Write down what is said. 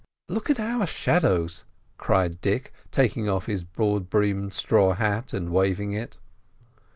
"Look at our shadows!" cried Dick, taking off his broad brimmed straw hat and waving it.